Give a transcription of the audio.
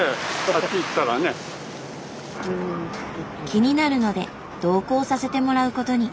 気になるので同行させてもらうことに。